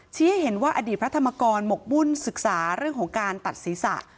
ให้เห็นว่าอดีตพระธรรมกรหมกมุ่นศึกษาเรื่องของการตัดศีรษะ